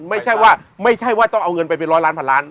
ไม่ใช่ว่าไม่ใช่ว่าต้องเอาเงินไปเป็นร้อยล้านพันล้าน